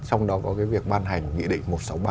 trong đó có cái việc ban hành nghị định một trăm sáu mươi ba